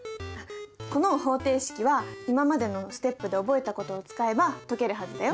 この方程式は今までのステップで覚えたことを使えば解けるはずだよ。